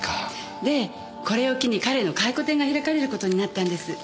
でこれを機に彼の回顧展が開かれることになったんです。